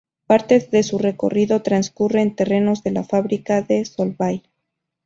Parte de su recorrido transcurre en terrenos de la fábrica de Solvay.